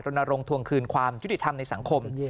ลงทวงคืนความยุติธรรมในสังคม